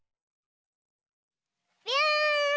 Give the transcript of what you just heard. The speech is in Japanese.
びゅん！